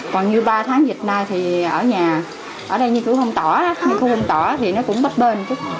còn như ba tháng dịch nay thì ở nhà ở đây như kiểu không tỏ không tỏ thì nó cũng bất bên